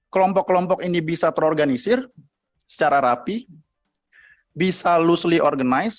kelompok kelompok ini bisa terorganisir secara rapi bisa lostly organized